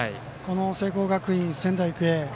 聖光学院、仙台育英。